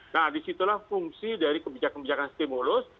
nah disitulah fungsi dari kebijakan kebijakan stimulus